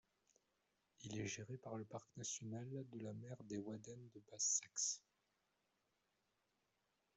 Il est géré par le Parc national de la mer des Wadden de Basse-Saxe.